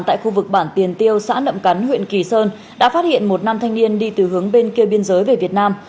tại khu vực bản tiền tiêu xã nậm cắn huyện kỳ sơn đã phát hiện một nam thanh niên đi từ hướng bên kia biên giới về việt nam